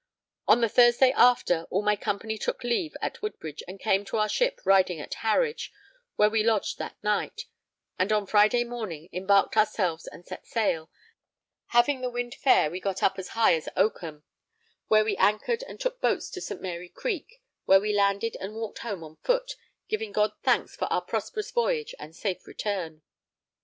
On the Thursday after, all my company took leave at Woodbridge and came to our ship riding at Harwich, where we lodged that night, and on Friday morning embarked ourselves and set sail; having the wind fair, we got up as high as Oakham, where we anchored and took boats to St. Mary Creek, where we landed and walked home on foot, giving God thanks for our prosperous voyage and safe return.